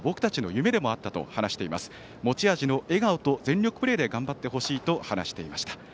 甲子園は僕たちの夢でもあった持ち味の笑顔と全力プレーで頑張ってほしいと話していました。